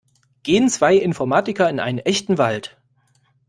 Gehen zwei Informatiker in einen echten Wald.